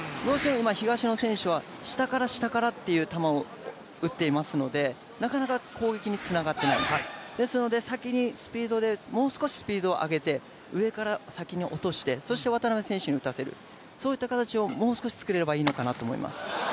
東野選手は下から下からという球を打っていますので、なかなか攻撃につながっていない、ですので、先にもう少しスピードを上げて上から打たせてそして渡辺選手に打たせるといった形をもう少しつくれればいいかなと思います。